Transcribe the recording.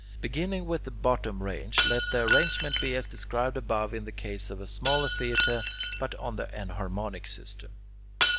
Beginning with the bottom range, let the arrangement be as described above in the case of a smaller theatre, but on the enharmonic system.